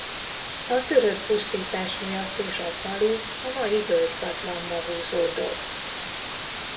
A török pusztítás miatt is a falu a mai völgykatlanba húzódott.